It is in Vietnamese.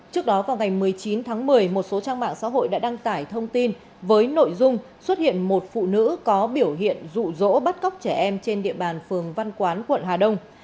trước đó vào ngày một mươi chín tháng một mươi một số trang mạng xã hội đã đăng tải thông tin với nội dung xuất hiện một phụ nữ có biểu hiện rụ rỗ bắt cóc trẻ em trên địa bàn phường văn quán quận hà đông